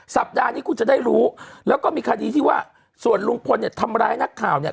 สัปดาห์นี้คุณจะได้รู้แล้วก็มีคดีที่ว่าส่วนลุงพลเนี่ยทำร้ายนักข่าวเนี่ย